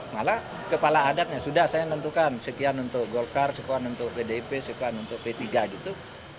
malah kepala adatnya sudah saya nentukan sekian untuk golkar sekian untuk pdp sekian untuk p tiga gitu